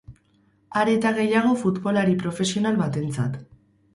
Are eta gehiago futbolari profesional batentzat.